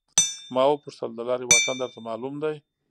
ما وپوښتل د لارې واټن درته معلوم دی.